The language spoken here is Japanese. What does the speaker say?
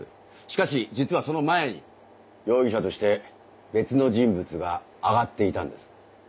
しかし実はその前に容疑者として別の人物が挙がっていたんです。